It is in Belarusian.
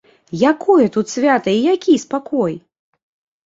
Якое тут свята і які спакой!